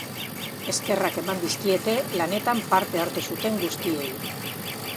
Eskerrak eman dizkiete lanetan parte hartu zuten guztiei.